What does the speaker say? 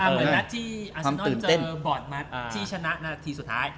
เหมือนนัดที่อาเซนนอนเจอบอร์ดมาที่ชนะที่สุดท้าย